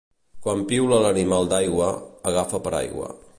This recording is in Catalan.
Quan piula l'animal d'aigua, agafa paraigua.